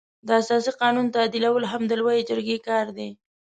د اساسي قانون تعدیلول هم د لويې جرګې کار دی.